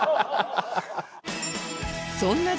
そんな